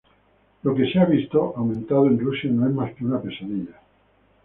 Lo que se ha visto aumentando en Rusia no es más que una pesadilla.